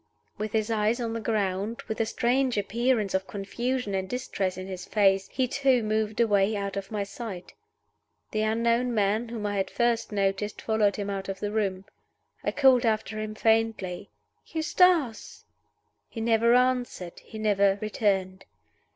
With his eyes on the ground, with a strange appearance of confusion and distress in his face, he too moved away out of my sight. The unknown man whom I had first noticed followed him out of the room. I called after him faintly, "Eustace!" He never answered; he never returned.